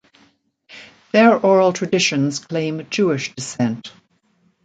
Their oral traditions claim Jewish descent.